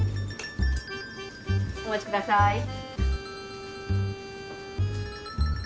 お待ちください。